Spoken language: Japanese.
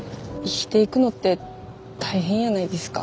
生きていくのって大変やないですか。